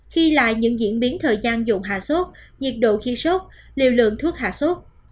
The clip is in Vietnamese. khi lại những diễn biến thời gian dùng hạ sốt nhiệt độ khi sốt liều lượng thuốc hạ sốt